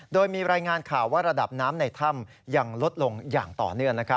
โดยมีรายงานข่าวว่าระดับน้ำในถ้ำยังลดลงอย่างต่อเนื่อง